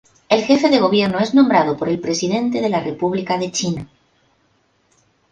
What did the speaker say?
El jefe de Gobierno es nombrado por el presidente de la República de China.